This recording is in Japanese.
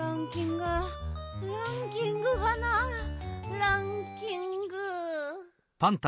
ランキングがなランキング。